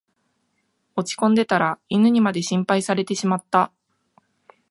落ちこんでたら犬にまで心配されてしまった